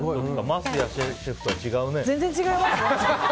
桝谷シェフとは違うね。